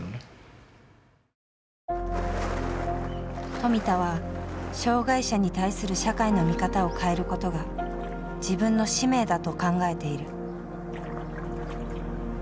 富田は障がい者に対する社会の見方を変えることが自分の使命だと考えている。